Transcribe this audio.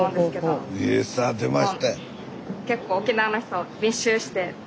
結構沖縄の人密集して。